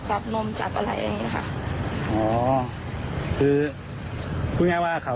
โดดลงรถหรือยังไงครับ